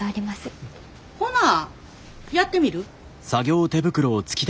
ほなやってみる？